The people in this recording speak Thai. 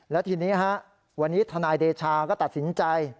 แล้วทีนี้วันนี้ทนายเดชาก็ตัดสินใจ